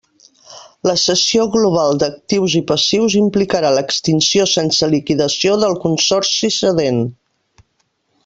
La cessió global d'actius i passius implicarà l'extinció sense liquidació del consorci cedent.